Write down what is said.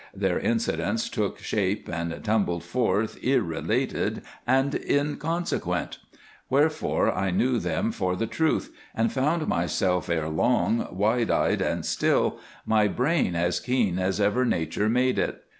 Their incidents took shape and tumbled forth irrelated and inconsequent. Wherefore I knew them for the truth, and found myself ere long wide eyed and still, my brain as keen as ever nature made it.